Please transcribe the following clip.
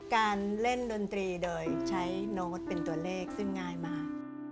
การเล่นดนตรีโดยใช้โน้ตเป็นตัวเลขซึ่งง่ายมาก